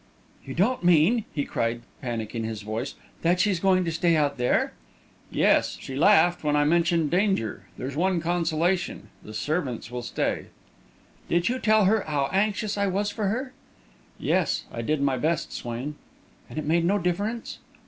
"You don't mean," he cried, panic in his voice, "that she's going to stay out there?" "Yes; she laughed when I mentioned danger. There's one consolation the servants will stay." "Did you tell her how anxious I was for her?" "Yes; I did my best, Swain." "And it made no difference?"